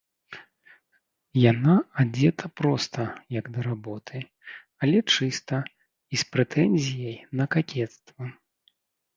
Яна адзета проста, як да работы, але чыста і з прэтэнзіяй на какецтва.